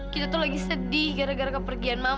kita tuh lagi sedih gara gara kepergian mama